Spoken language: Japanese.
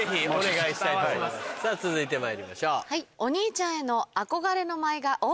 さぁ続いてまいりましょう。